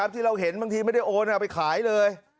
ที่เราเห็นบางทีไม่ได้โอนเอาไปขายเลย